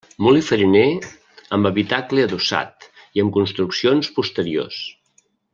Molí fariner amb habitacle adossat i amb construccions posteriors.